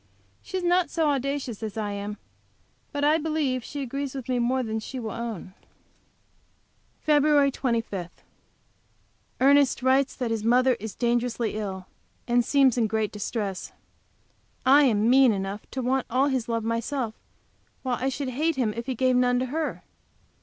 She is not so audacious as I am, but I believe she agrees with me more than she will own. FEB. 25. Ernest writes that his mother is dangerously ill, and seems in great distress. I am mean enough to want all his love myself, while I should hate him if he gave none to her.